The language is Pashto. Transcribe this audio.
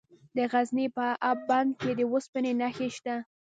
د غزني په اب بند کې د اوسپنې نښې شته.